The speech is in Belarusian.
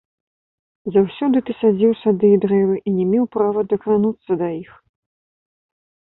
Заўсёды ты садзіў сады і дрэвы і не меў права дакрануцца да іх.